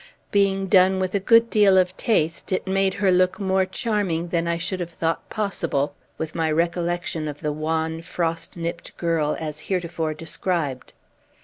Being done with a good deal of taste, it made her look more charming than I should have thought possible, with my recollection of the wan, frost nipt girl, as heretofore described.